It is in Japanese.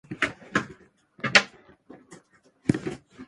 牛蒡って漢字であまり見かけない